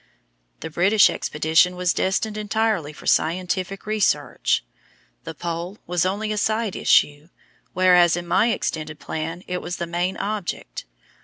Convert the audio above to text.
The British expedition was designed entirely for scientific research. The Pole was only a side issue, whereas in my extended plan it was the main object.